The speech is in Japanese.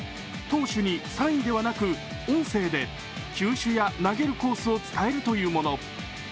投手にサインではなく音声で球種や投げるコースを伝えるというもの。